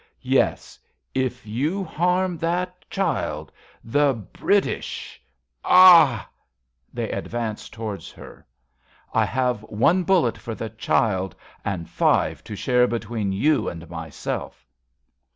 Yes, if you harm that child ... the British. ... Ah! {They advance towards her.) I have one bullet for the child and five To share between you and myself.